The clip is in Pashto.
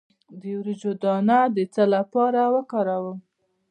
د وریجو دانه د څه لپاره وکاروم؟